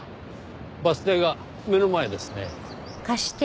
バス停が目の前ですねぇ。